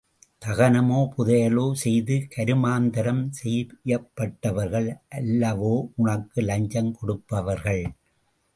தகனமோ, புதையலோ செய்து கருமாந்தரம் செய்யப்பட்டவர்கள் அல்லவோ உனக்கு லஞ்சம் கொடுப்பவர்கள்.